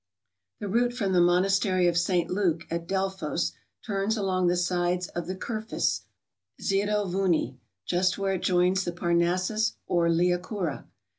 The route from the monastery of St. Luke, at Delphos, turns along the sides of the Kirphis or Xero Vouni, just where it joins the Parnassus or Liakoura.